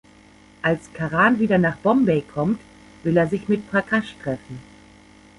Als Karan wieder nach Bombay kommt, will er sich mit Prakash treffen.